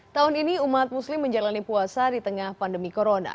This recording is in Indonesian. tahun ini umat muslim menjalani puasa di tengah pandemi corona